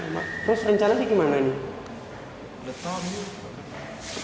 terus rencana ini bagaimana